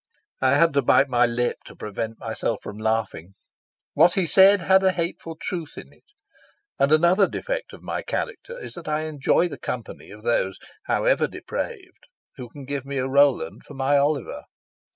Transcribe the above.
I had to bite my lip to prevent myself from laughing. What he said had a hateful truth in it, and another defect of my character is that I enjoy the company of those, however depraved, who can give me a Roland for my Oliver.